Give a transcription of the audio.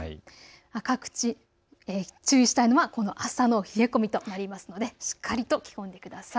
各地、注意したいのがこの朝の冷え込みとなりますのでしっかりと着込んでください。